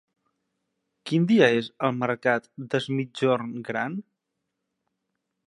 Quin dia és el mercat d'Es Migjorn Gran?